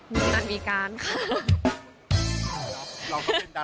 มีการวีการค่ะ